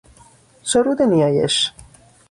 سرود نیایش